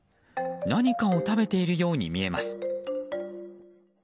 何かを食べているように見えます。